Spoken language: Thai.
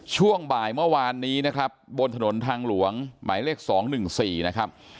ช่วงบ่ายเมื่อวานนี้นะครับบนถนนทางหลวงหมายเลข๒๑๔นะครับ